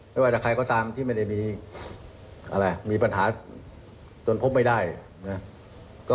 ไม่ว่าจะใครก็ตามที่ไม่ได้มีอะไรมีปัญหาจนพบไม่ได้นะ